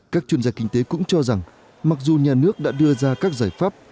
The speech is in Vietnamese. các chuyên gia kinh tế cũng cho rằng mặc dù nhà nước đã đưa ra các giải pháp